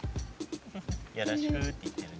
よろしくっていってるね。